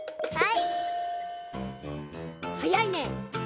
はい！